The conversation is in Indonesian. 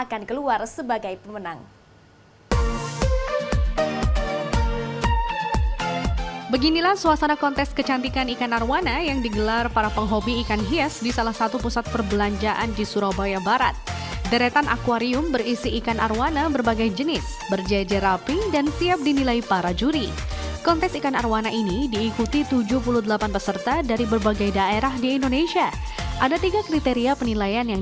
akan keluar sebagai pemenang